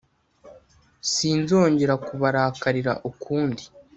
sinzongera kubarakarira ukundi.